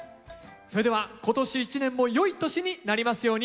それでは今年一年も良い年になりますように！